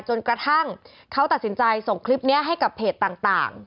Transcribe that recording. จนกระทั่งเขาตัดสินใจส่งคลิปนี้ให้กับเพจต่าง